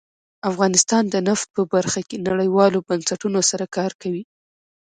افغانستان د نفت په برخه کې نړیوالو بنسټونو سره کار کوي.